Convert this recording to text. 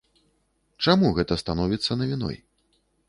Чаму гэта становіцца навіной?